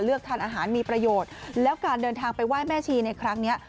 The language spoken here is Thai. ทานอาหารมีประโยชน์แล้วการเดินทางไปไหว้แม่ชีในครั้งนี้